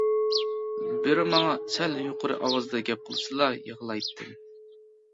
بىرى ماڭا سەل يۇقىرى ئاۋازدا گەپ قىلسىلا يىغلايتتىم.